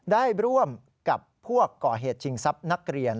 ได้ร่วมกับพวกก่อเหตุชิงทรัพย์นักเรียน